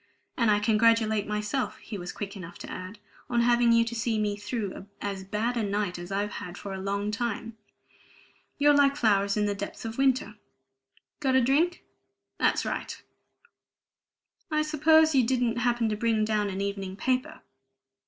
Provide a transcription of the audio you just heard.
And I congratulate myself," he was quick enough to add, "on having you to see me through as bad a night as I've had for a long time. You're like flowers in the depths of winter. Got a drink? That's right! I suppose you didn't happen to bring down an evening paper?"